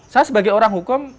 saya sebagai orang hukum